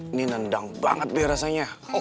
ini nendang banget deh rasanya